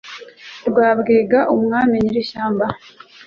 rwabwiga umwami nyiri ishyamba,